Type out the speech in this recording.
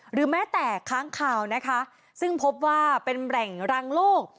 หรือแม้แต่ค้างคาวนะคะซึ่งพบว่าเป็นแหล่งรังโลก